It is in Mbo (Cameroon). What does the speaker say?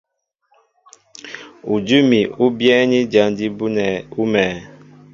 Udʉ́ úmi ní byɛ́ɛ́ní jǎn jí bú nɛ̂ ú mɛ̄ɛ̄.